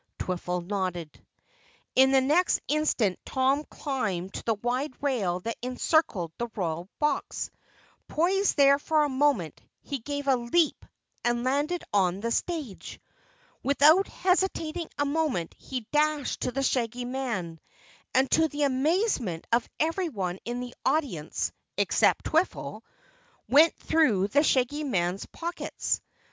Twiffle nodded. In the next instant Tom climbed to the wide rail that encircled the Royal Box. Poised there for a moment, he gave a leap and landed on the stage. Without hesitating a moment he dashed to the Shaggy Man, and to the amazement of everyone in the audience except Twiffle, went through the Shaggy Man's pockets.